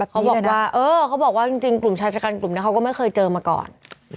เขาบอกว่าเออเขาบอกว่าจริงกลุ่มชายชะกันกลุ่มนี้เขาก็ไม่เคยเจอมาก่อน